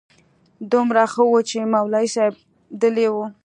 دومره ښه و چې مولوي صاحب دلې و.